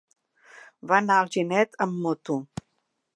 Va anar a Alginet amb moto.